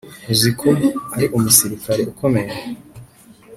uziko ari umusirikare ukomeye